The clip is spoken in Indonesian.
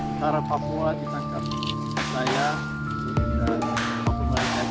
utara papua ditangkap saya pak pemerintah